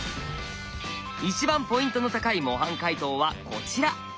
一番ポイントの高い模範解答はこちら。